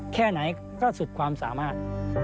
แค่ไหนก็สุดความสามารถ